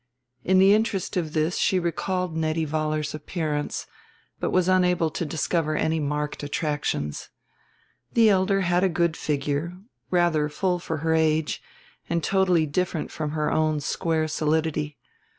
In the interest of this she recalled Nettie Vollar's appearance, but was unable to discover any marked attractions. The elder had a good figure, rather full for her age, and totally different from her own square solidity.